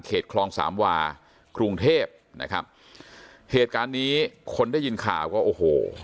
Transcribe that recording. คลองสามวากรุงเทพนะครับเหตุการณ์นี้คนได้ยินข่าวก็โอ้โห